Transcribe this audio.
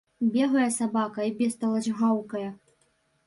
Бегае сабака і бесталач гаўкае.